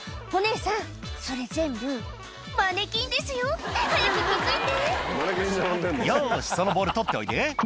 お姉さんそれ全部マネキンですよ早く気付いて「よしそのボール取っておいで」